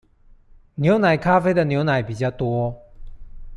牛奶咖啡的牛奶比較多